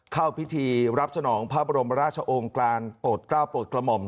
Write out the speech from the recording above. เข้าพิธีรับสนองพระบรมราชองค์การโปรดกล้าวโปรดกระหม่อม